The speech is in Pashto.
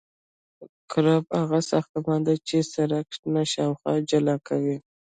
کرب هغه ساختمان دی چې سرک له شانو جلا کوي